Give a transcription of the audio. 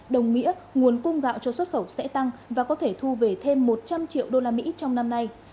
đồng nghĩa nguồn cung gạo cho xuất khẩu sẽ tăng và có thể thu về thêm một trăm linh triệu đô la mỹ trong năm nay